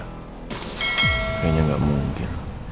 kayaknya gak mungkin